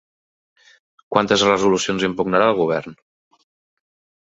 Quantes resolucions impugnarà el govern?